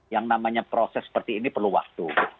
yang namanya proses seperti ini perlu waktu